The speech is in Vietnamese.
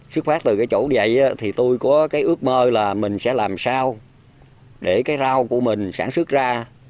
xuất phát từ cái chỗ vậy thì tôi có cái ước mơ là mình sẽ làm sao để cái rau của mình sản xuất ra